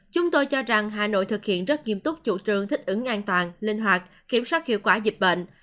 chúng tôi cho rằng hà nội thực hiện rất nghiêm túc chủ trương thích ứng an toàn linh hoạt kiểm soát hiệu quả dịch bệnh